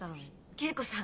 桂子さん。